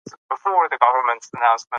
تلپاتې او تلشنه وي.